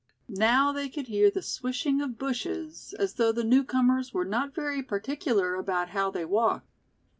Now they could hear the swishing of bushes, as though the newcomers were not very particular about how they walked.